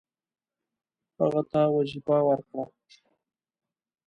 هغه ته وظیفه ورکړه.